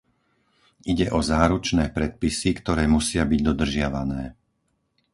Ide o záručné predpisy, ktoré musia byť dodržiavané.